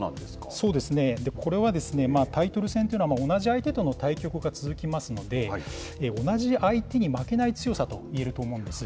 そうですね、これはタイトル戦というのは、同じ相手との対局が続きますので、同じ相手に負けない強さといえると思うんです。